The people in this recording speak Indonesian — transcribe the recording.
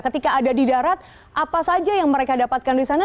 ketika ada di darat apa saja yang mereka dapatkan di sana